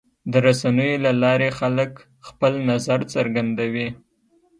د رسنیو له لارې خلک خپل نظر څرګندوي.